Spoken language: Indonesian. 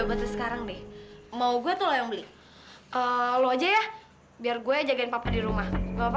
aku harus pergi ke tempat ini